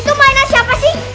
itu mainan siapa sih